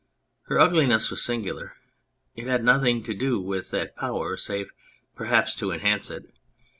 Her ugliness was singular ; it had nothing to do with that power save perhaps to enhance it.